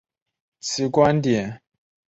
其观点受到反中共政府者的欢迎。